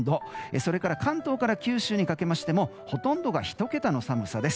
それから関東から九州にかけてもほとんどが１桁の寒さです。